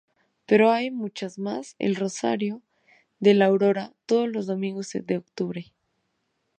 Pero hay muchas más: El Rosario de la Aurora, todos los domingos de octubre.